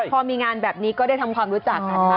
พอมีงานแบบนี้ก็ได้ทำความรู้จักกันนะคะ